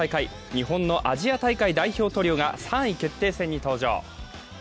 日本のアジア大会代表トリオが３位決定戦に登場。